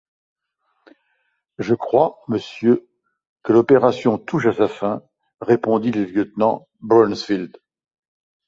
Je crois, monsieur, que l’opération touche à sa fin, répondit le lieutenant Bronsfield.